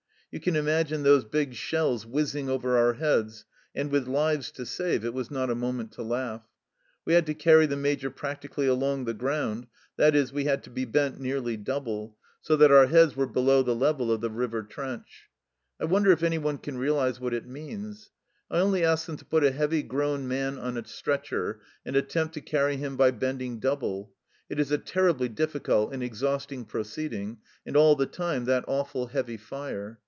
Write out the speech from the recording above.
You can imagine those big shells whizzing over our heads, and with lives to save, it was not a moment to laugh. We had to carry the Major practically along the ground that is, we had to be bent nearly double, so that our heads were below the level of 28 THE CELLAR HOUSE OF PERVYSE the river trench. I wonder if anyone can realize what it means. I only ask them to put a heavy grown man on a stretcher and attempt to carry him by bending double ; it is a terribly difficult and exhausting proceeding, and all the time that awful heavy fire.